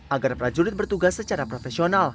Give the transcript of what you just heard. agar prajurit bertugas secara profesional